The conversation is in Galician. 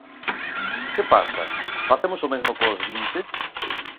¿Que pasa?, ¿facemos o mesmo cos vinte?